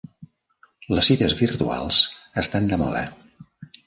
Les cites virtuals estan de moda.